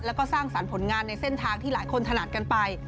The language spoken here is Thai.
แล้วก็สร้างสรรค์ผลงานในเส้นทางที่หลายคนถนัดกันไป